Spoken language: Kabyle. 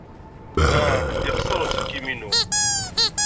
Ah! Yexṣer uselkim-inu.